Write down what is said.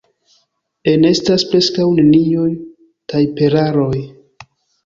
Enestas preskaŭ neniuj tajperaroj.